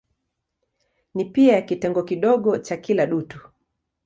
Ni pia kitengo kidogo cha kila dutu.